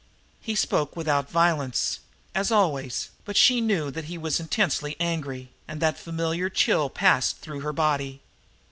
He spoke without violence, as always, but she knew that he was intensely angry, and that familiar chill passed through her body.